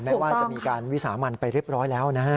แม้ว่าจะมีการวิสามันไปเรียบร้อยแล้วนะฮะ